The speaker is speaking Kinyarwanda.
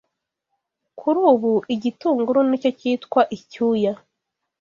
Kuri ubu, igitunguru nicyo twita icyuya.